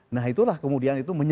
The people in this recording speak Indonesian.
nah itulah kemudian itu menurut saya